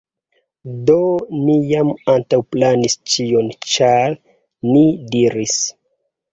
Do ni jam antaŭplanis ĉion, ĉar ni diris